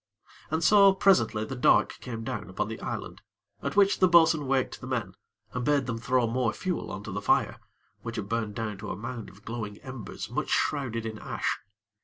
And so, presently, the dark came down upon the island, at which the bo'sun waked the men, and bade them throw more fuel on to the fire, which had burned down to a mound of glowing embers much shrouded in ash.